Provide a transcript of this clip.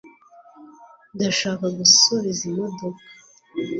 ndashaka gusubiza imodoka